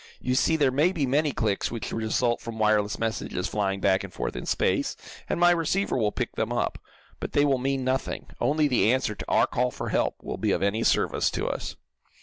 "You see there may be many clicks, which result from wireless messages flying back and forth in space, and my receiver will pick them up. But they will mean nothing. Only the answer to our call for help will be of any service to us."